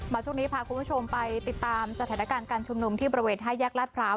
ช่วงนี้พาคุณผู้ชมไปติดตามสถานการณ์การชุมนุมที่บริเวณ๕แยกลาดพร้าว